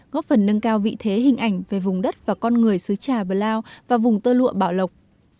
góp phần nâng cao vị thế hình ảnh về vùng đất và con người xứ trà bờ lao và vùng tơ lụa bảo lộc